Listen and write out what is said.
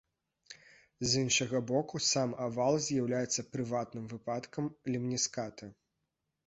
З іншага боку, сам авал з'яўляецца прыватным выпадкам лемніскаты.